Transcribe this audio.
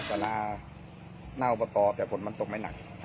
ปราณาน่าวประตอบแต่ผลมันตกไม่หนัก